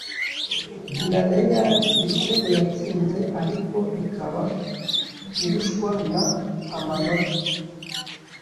villarreal ibitego yatsinze ariko ikaba irushwana amanota